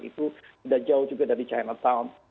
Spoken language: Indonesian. itu sudah jauh juga dari chinatown